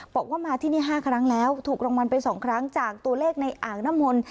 บอกว่ามาที่นี่๕ครั้งแล้วถูกรางวัลไป๒ครั้งจากตัวเลขในอ่างน้ำมนต์